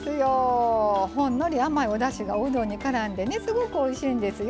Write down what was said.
ほんのり甘いおだしがうどんにからんですごくおいしいんですよ。